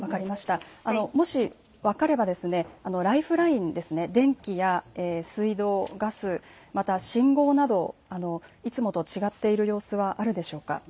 もし分かれば、ライフライン、電気や水道、ガスまた信号などいつもと違っている様子はあるでしょうか。